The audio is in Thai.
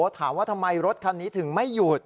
ถามว่าทำไมรถคันนี้ถึงไม่หยุด